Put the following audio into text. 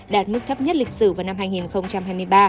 đạt mức thấp nhất lịch sử vào năm hai nghìn hai mươi ba